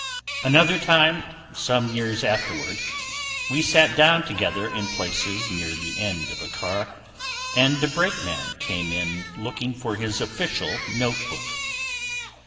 Another time, some years afterward, we sat down together in places near the end of a car, and a brakeman came in looking for his official note book.